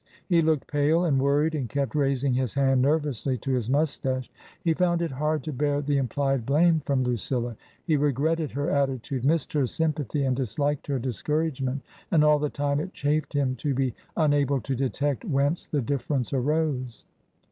He looked pale and worried and kept raising his hand nervously to his moustache. He found it hard to bear the implied blame from Lucilla ; he regretted her attitude, missed her sympathy and disliked her discouragement ; and all the time it chafed him to be unable to detect whence the difference arose.